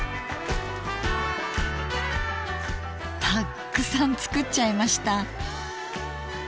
たっくさん作っちゃいました。